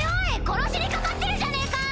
殺しにかかってるじゃねえか！